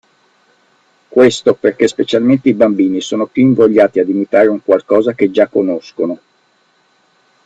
Questo perchè, specialmente i bambini, sono più invogliati ad imitare un qualcosa che già conoscono.